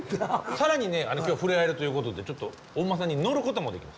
更にね今日触れ合えるということでちょっとお馬さんに乗ることもできます。